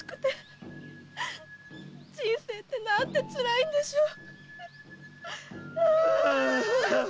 人生ってなんてつらいんでしょう！